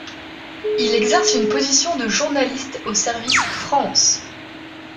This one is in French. Il exerce une position de journaliste au service France.